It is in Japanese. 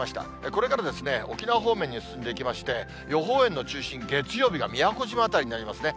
これから沖縄方面に進んでいきまして、予報円の中心、月曜日が宮古島辺りになりますね。